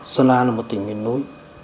sơn la là một tỉnh miền núi